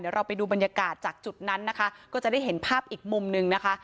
เดี๋ยวเราไปดูบรรยากาศจากจุดนั้นนะคะก็จะได้เห็นภาพอีกมุมหนึ่งนะคะ